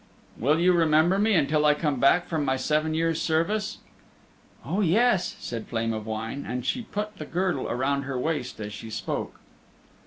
"Will you remember me until I come back from my seven years' service?" "Oh, yes," said Flame of Wine, and she put the girdle around her waist as she spoke.